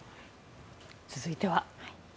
続いては。